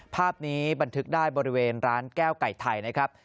ภาพนี้บันทึกได้บริเวณร้านแก้วไก่ไทยนะครับ